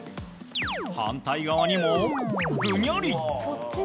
反対側にも、ぐにゃり。